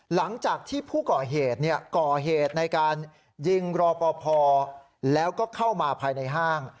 หลังจากที่ผู้ก่อเหตุก่อเหตุในการยิงรอปภแล้วก็เข้ามาภายในห้าง